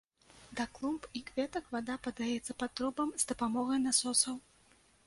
Да клумб і кветак вада падаецца па трубам з дапамогай насосаў.